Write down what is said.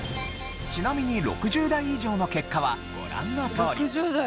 ちなみに６０代以上の結果はご覧のとおり。